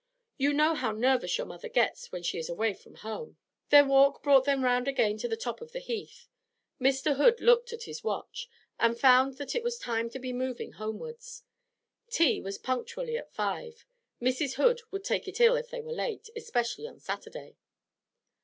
You know how nervous your mother gets when she is away from home.' Their walk brought them round again to the top of the Heath. Mr. Hood looked at his watch, and found that it was time to be moving homewards. Tea was punctually at five. Mrs. Hood would take it ill if they were late, especially on Saturday.